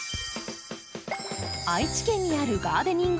愛知県にあるガーデニング